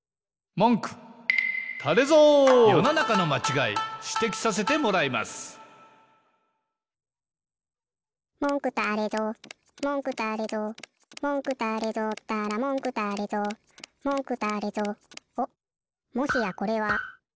もしやこれは！？